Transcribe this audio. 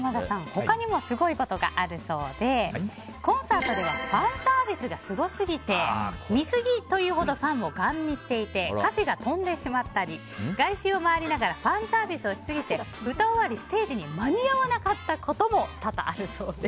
他にもすごいことがあるそうでコンサートではファンサービスがすごすぎて見すぎというほどファンをガン見していて歌詞が飛んでしまったり外周を回りながらファンサービスをしすぎて歌終わり、ステージに間に合わなかったことも多々あるそうです。